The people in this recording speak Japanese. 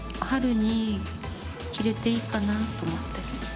春に着れていいかなと思って。